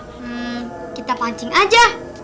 hmm kita pancing aja